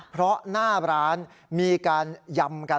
เพราะหน้าร้านมีการยำกัน